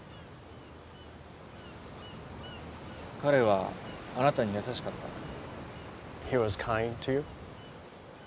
彼はあなたに優しかった？